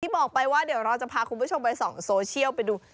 บอกไปว่าเดี๋ยวเราจะพาคุณผู้ชมไปส่องโซเชียลไปดู